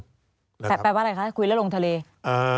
แปลว่าอะไรคะคุยแล้วลงทะเล